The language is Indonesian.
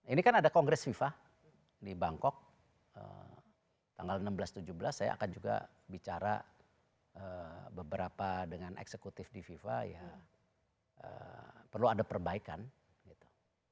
ini kan ada kongres fifa di bangkok tanggal enam belas tujuh belas saya akan juga bicara beberapa dengan eksekutif di fifa ya perlu ada perbaikan gitu